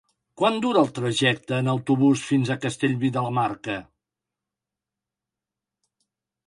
Quant dura el trajecte en autobús fins a Castellví de la Marca?